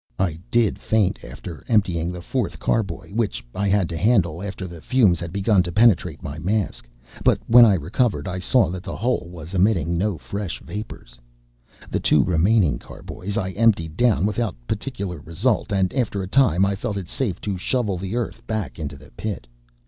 I did faint after emptying the fourth carboy, which I had to handle after the fumes had begun to penetrate my mask; but when I recovered I saw that the hole was emitting no fresh vapors. The two remaining carboys I emptied down without particular result, and after a time I felt it safe to shovel the earth back into the pit.